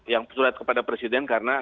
yang surat kepada presiden karena